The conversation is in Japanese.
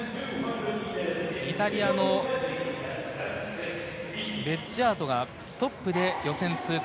イタリアのベッジャートがトップで予選通過